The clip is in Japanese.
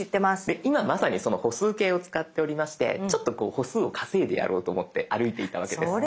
で今まさにその歩数計を使っておりましてちょっとこう歩数を稼いでやろうと思って歩いていたわけです。